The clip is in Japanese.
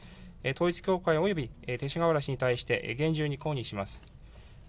統一教会および勅使河原氏に対し、厳重に抗議します。